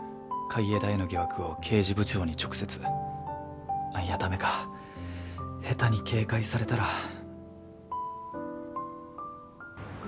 海江田への疑惑を刑事部長に直接あっいやだめか下手に警戒されたら。